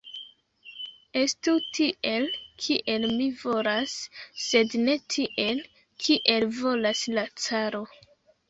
Estu tiel, kiel mi volas, sed ne tiel, kiel volas la caro!